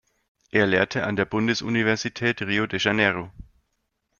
Er lehrte an der Bundesuniversität Rio de Janeiro.